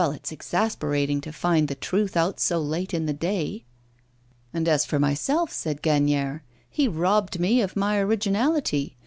it's exasperating to find the truth out so late in the day!' 'And as for myself,' said Gagnière, 'he robbed me of my originality.